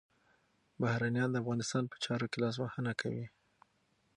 بهرنیان د افغانستان په چارو کي لاسوهنه کوي.